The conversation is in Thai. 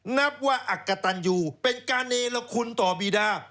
นับว่าอักกะตันยูเป็นการเนรคุณต่อบีดา